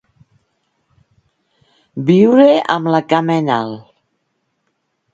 Viure amb la cama en alt.